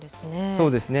そうですね。